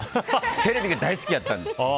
テレビが大好きやったんです。